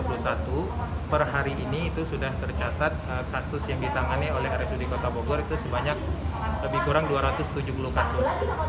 sampai saat ini di tahun dua ribu dua puluh satu per hari ini itu sudah tercatat kasus yang ditangani oleh rsud kota bogor itu sebanyak lebih kurang dua ratus tujuh puluh kasus